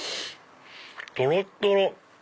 とろっとろ！